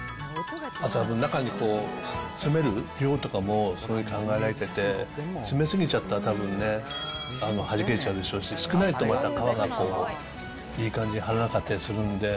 中に詰める量とかもすごい考えられてて、詰め過ぎちゃったらたぶんね、はじけちゃうでしょうし、少ないとまた皮がこう、いい感じに張らなかったりするんで。